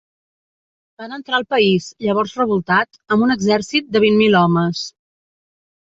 Van entrar al país, llavors revoltat, amb un exèrcit de vint mil homes.